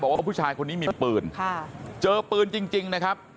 ว่าผู้ชายคนนี้มีปืนเจอปืนจริงนะครับ